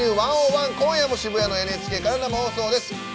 今夜も渋谷のＮＨＫから生放送です。